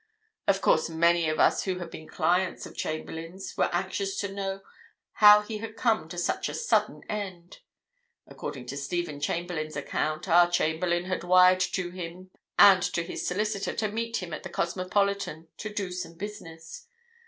Of course, many of us who had been clients of Chamberlayne's were anxious to know how he had come to such a sudden end. According to Stephen Chamberlayne's account, our Chamberlayne had wired to him and to his solicitor to meet him at the Cosmopolitan to do some business.